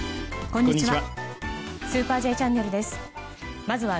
こんにちは。